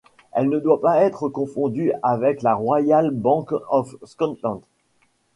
Elle ne doit pas être confondue avec la Royal Bank of Scotland.